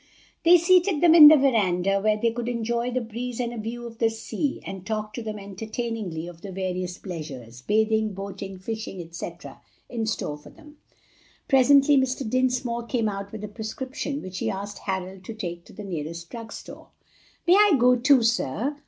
They seated them in the veranda, where they could enjoy the breeze and a view of the sea, and talked to them entertainingly of the various pleasures bathing, boating, fishing, etc. in store for them. Presently Mr. Dinsmore came out with a prescription which he asked Harold to take to the nearest drug store. "May I go too, sir?"